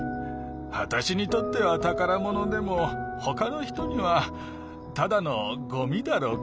わたしにとってはたからものでもほかのひとにはただのゴミだろうから。